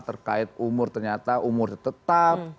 terkait umur ternyata umur tetap